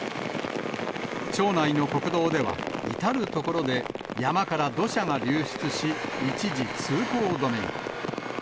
町内の国道では、至る所で山から土砂が流出し、一時通行止めに。